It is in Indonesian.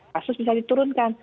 kasus bisa diturunkan